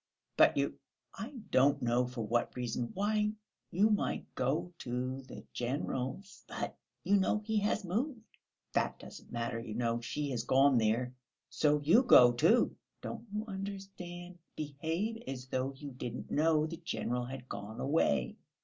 But you I don't know for what reason why, you might go to the general's...." "But, you know, he has moved!" "That doesn't matter, you know. She has gone there; so you go, too don't you understand? Behave as though you didn't know the general had gone away.